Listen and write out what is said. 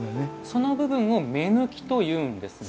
その部分を目貫というんですね。